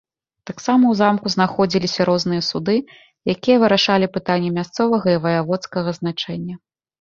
Таксама ў замку знаходзіліся розныя суды, якія вырашалі пытанні мясцовага і ваяводскага значэння.